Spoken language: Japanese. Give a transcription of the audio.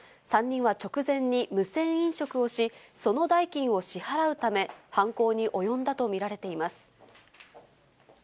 ３人は直前に無銭飲食をし、その代金を支払うため、犯行に及んだと見られています。